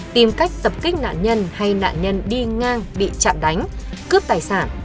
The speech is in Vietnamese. tìm cách tập kích nạn nhân hay nạn nhân đi ngang bị chạm đánh cướp tài sản